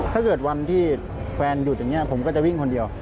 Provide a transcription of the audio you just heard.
ถ้าเกิดวันที่แฟนหยุดอย่างนี้ผมก็จะวิ่งคนเดียว